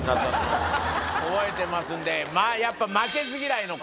覚えてますんでやっぱ。